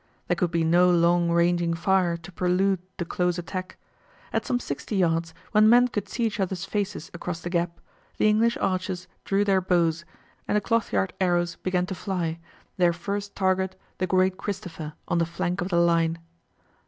There could be no long ranging fire to prelude the close attack. At some sixty yards, when men could see each other's faces across the gap, the English archers drew their bows, and the cloth yard arrows began to fly, their first target the "Great Cristopher" on the flank of the line.